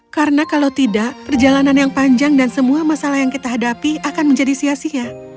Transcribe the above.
karena kalau tidak perjalanan yang panjang dan semua masalah yang kita hadapi akan menjadi sia sia